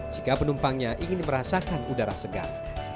jika penumpangnya ingin merasakan udara segar